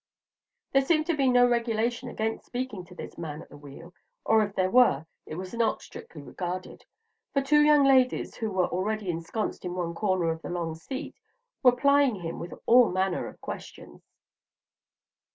There seemed to be no regulation against speaking to this "man at the wheel," or if there were, it was not strictly regarded; for two young ladies, who were already ensconced in one corner of the long seat, were plying him with all manner of questions.